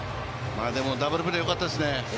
ダブルプレーよかったですね。